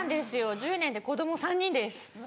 １０年で子供３人です。